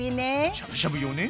しゃぶしゃぶ用ね。